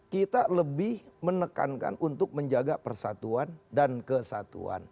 kita lebih menekankan untuk menjaga persatuan dan kesatuan